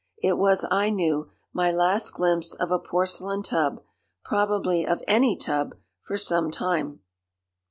It was, I knew, my last glimpse of a porcelain tub, probably of any tub, for some time.